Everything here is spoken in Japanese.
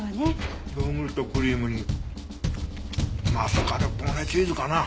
ヨーグルトクリームにマスカルポーネチーズかな。